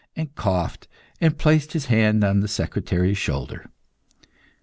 He puffed, coughed, and placed his hand on the secretary's shoulder.